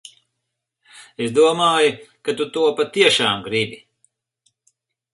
Es domāju, ka tu to patiešām gribi.